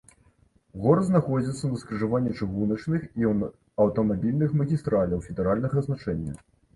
Горад знаходзіцца на скрыжаванні чыгуначных і аўтамабільных магістраляў федэральнага значэння.